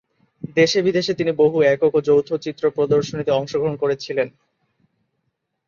দেশে-বিদেশে তিনি বহু একক এবং যৌথ চিত্র প্রদর্শনীতে অংশগ্রহণ করেছিলেন।